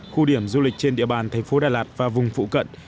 khu điểm du lịch trên địa bàn thành phố đà lạt và vùng phụ cận